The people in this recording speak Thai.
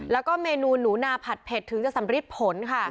แล้วก็เมนูหนูนาผัดเผ็ดถึงจะสำริดผลค่ะ